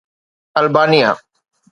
Albania